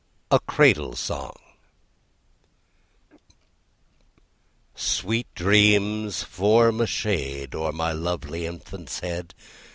A CRADLE SONG Sweet dreams, form a shade O'er my lovely infant's head!